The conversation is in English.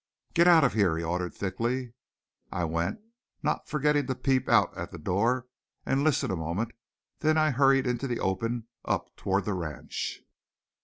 "Get out of here," he ordered thickly. I went, not forgetting to peep out at the door and to listen a moment, then I hurried into the open, up toward the ranch.